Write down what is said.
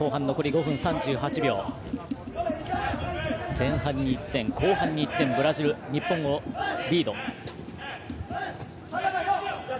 前半に１点、後半に１点のブラジル日本をリード。